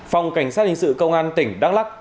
phòng cảnh sát hình sự công an tỉnh đắk lắc